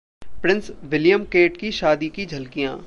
Prince William Kate की शादी की झलकियां